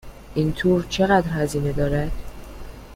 این تور چقدر هزینه دارد؟